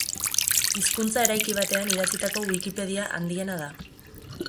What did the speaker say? Hizkuntza eraiki batean idatzitako Wikipedia handiena da.